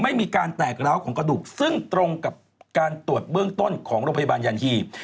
ไม่มีการแตกร้าวของกระดูกซึ่งตรงกับการตรวจเบื้องต้นของโรงพยาบาลยันหีบ